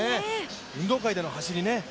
運動会の走りね。